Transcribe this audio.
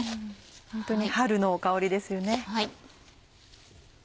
ホントに春の香りですよね。